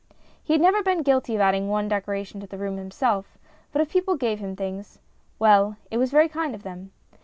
He had never been guilty of adding one decoration to the room himself; but if people gave him things well, it was very kind of them.